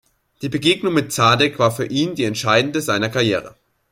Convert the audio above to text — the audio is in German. Die Begegnung mit Zadek war für ihn die entscheidende seiner Karriere.